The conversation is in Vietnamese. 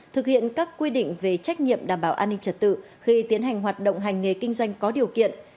thực hiện các quy định về trách nhiệm đảm bảo an ninh trật tự khi tiến hành hoạt động hành nghề kinh doanh có điều kiện